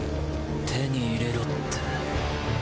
手に入れろって。